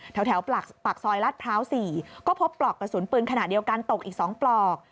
แถวปากซอยลาดพร้าว๔ก็พบปลอกกระสุนปืนขนาดเดียวกันตกอีก๒ปลอก